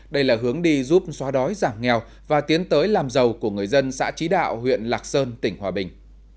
đây là hướng đi giúp xóa đói giảm nghèo và tiến tới làm giàu của người dân xã trí đạo huyện lạc sơn tỉnh hòa bình